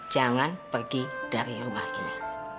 jangan pergi dari rumah ini